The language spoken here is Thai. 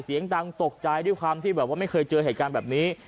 เสียงดังตกใจด้วยความที่แบบว่าไม่เคยเจอเหตุการณ์แบบนี้